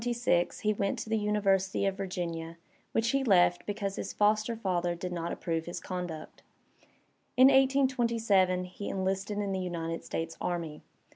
In 1826 he went to the University of Vir ginia, which he left because his foster father did not approve his conduct. In 1827 he enlisted in the United States Army.